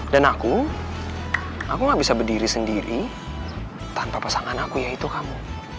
dan aku aku gak bisa berdiri sendiri tanpa pasangan aku yaitu kamu